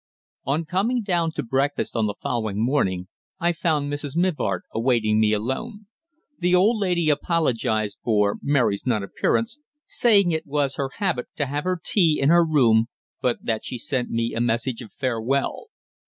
On coming down to breakfast on the following morning I found Mrs. Mivart awaiting me alone. The old lady apologised for Mary's non appearance, saying that it was her habit to have her tea in her room, but that she sent me a message of farewell.